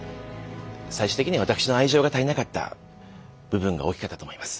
最終的には私の愛情が足りなかった部分が大きかったと思います。